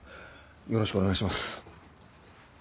よろしくお願いします。